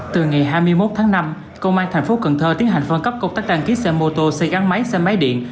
từ ngày hai mươi một tháng năm công an thành phố cần thơ tiến hành phân cấp công tác đăng ký xe mô tô xe gắn máy xe máy điện